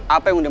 apa yang udah